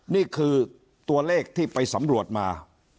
นี่คือตัวเลขที่ไปสำรวจมา